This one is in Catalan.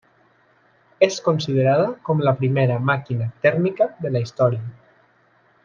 És considerada com la primera màquina tèrmica de la història.